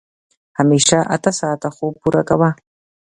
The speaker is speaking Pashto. همېشه اته ساعته خوب پوره کوه.